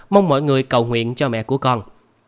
mong mọi người cầu nguyện cho mẹ của con